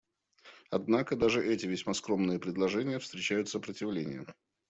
Однако даже эти весьма скромные предложения встречают сопротивление.